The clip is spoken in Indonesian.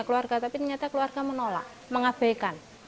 keluarga tapi ternyata keluarga menolak mengabaikan